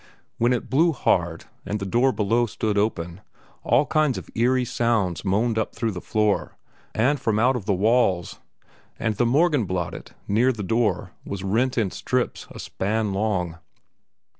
When it blew hard, and the door below stood open, all kinds of eerie sounds moaned up through the floor and from out the walls, and the Morgenbladet near the door was rent in strips a span long.